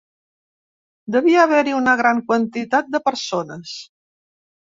Devia haver-hi una gran quantitat de persones